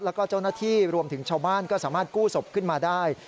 แล้วก็เจ้าหน้าที่รวมถึงชาวบ้านก็สามารถกู้ศพขึ้นมาได้